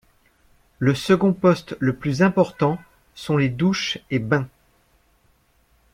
Le second poste le plus important sont les douches et bains.